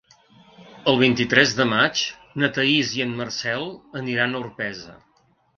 El vint-i-tres de maig na Thaís i en Marcel aniran a Orpesa.